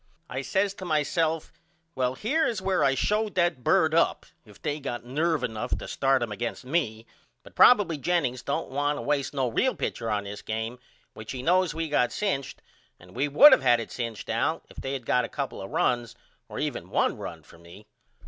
I says to myself Well here is where I show that bird up if they got nerve enough to start him against me but probily Jennings don't want to waste no real pitcher on this game which he knows we got cinched and we would of had it cinched Al if they had of got a couple of runs or even 1 run for me.